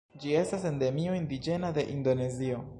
Ĝi estas endemio indiĝena de Indonezio.